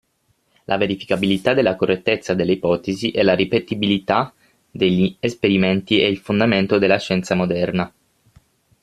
La verificabilità della correttezza delle ipotesi e la ripetibilità degli esperimenti è il fondamento della scienza moderna.